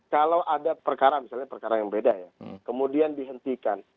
kalau ada perkara misalnya perkara yang beda ya kemudian dihentikan